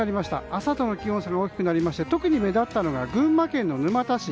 朝との気温差が大きく特に目立ったのが群馬県沼田市。